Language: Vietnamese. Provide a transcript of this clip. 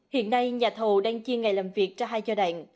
hiện nay nhà thầu đang chia ngày làm việc ra hai giai đoạn